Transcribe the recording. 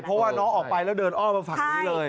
เพราะว่าน้องออกไปแล้วเดินอ้อมมาฝั่งนี้เลย